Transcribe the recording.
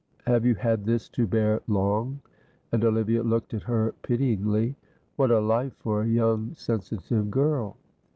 "Have you had this to bear long?" and Olivia looked at her pityingly. What a life for a young, sensitive girl!